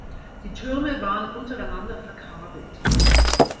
Die Türme waren untereinander verkabelt.